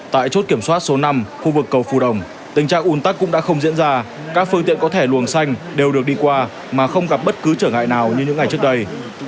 tại chốt kiểm soát số năm khu vực cầu phù đồng tình trạng un tắc cũng đã không diễn ra các phương tiện có thẻ luồng xanh đều được đi qua mà không gặp bất cứ trở ngại nào như những ngày trước đây